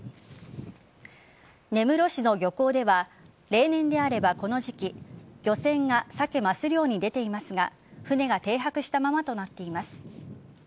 根室市の漁港では例年であればこの時期漁船がサケ・マス漁に出ていますが船が停泊したままとなっています。